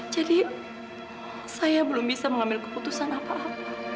jadi saya belum bisa mengambil keputusan apa apa